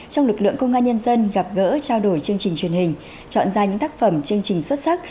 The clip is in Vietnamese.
trong lực lượng công an nhân dân gặp gỡ trao đổi chương trình truyền hình chọn ra những tác phẩm chương trình xuất sắc